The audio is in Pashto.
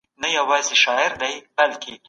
پرته له تقاضا د محصولاتو بدلون شونی نه دی.